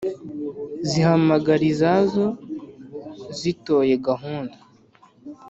Zihamagara izazo, Zitoye gahunda,